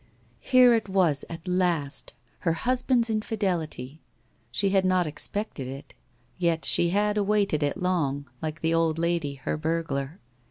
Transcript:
Here it was at last ! Her husband's infidelity. She had not expected it, yet she had awaited it long, like the old lady her burglar.